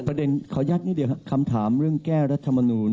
กประเด็นนี้ขอหยัดนิดเดียวคำถามประเวทย์เรื่องแก้รัฐธรรมนูญ